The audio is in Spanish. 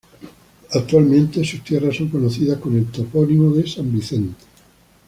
Actualmente sus tierras son conocidas con el topónimo de "San Vicente".